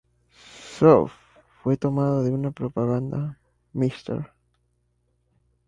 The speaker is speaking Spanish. Soft" fue tomado de una propaganda, "Mr.